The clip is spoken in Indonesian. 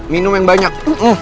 minum yang banyak